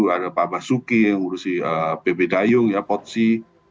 ada pak basuki yang mengurusi bp dayung ya pot si